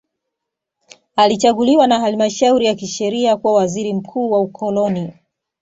Alichaguliwa na halmashauri ya kisheria kuwa waziri mkuu wa ukoloni